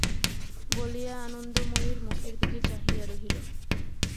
বলিয়া আনন্দময়ীর মুখের দিকে চাহিয়া রহিল।